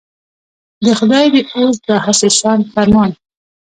د خدای دی اوس دا هسي شان فرمان.